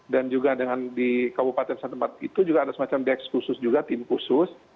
dan juga di kabupaten santemat itu juga ada des khusus tim khusus